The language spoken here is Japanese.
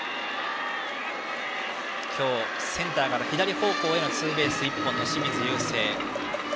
今日センターから左方向へのツーベース１本の清水友惺。